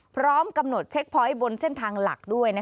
พร้อมกำหนดเช็คพอยต์บนเส้นทางหลักด้วย